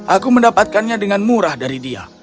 aku mendapatkannya dengan murah dari dia